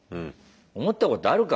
思ったことあるか？